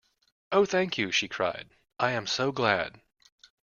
Oh thank you! she cried. I am so glad!